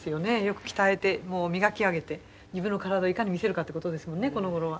よく鍛えてもう磨き上げて自分の体をいかに見せるかっていう事ですもんねこの頃は。